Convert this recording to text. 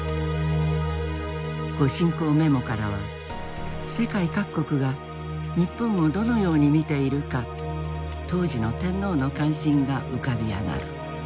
御進講メモからは世界各国が日本をどのように見ているか当時の天皇の関心が浮かび上がる。